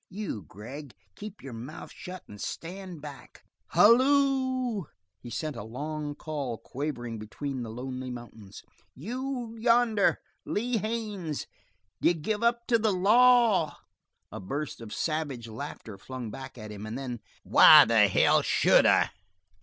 You Gregg, keep your mouth shut and stand back. Halloo!" He sent a long call quavering between the lonely mountains. "You yonder Lee Haines! D'you give up to the law?" A burst of savage laughter flung back at him, and then: "Why the hell should I?"